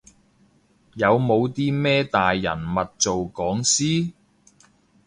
有冇啲咩大人物做講師？